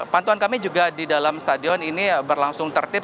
pantauan kami juga di dalam stadion ini berlangsung tertib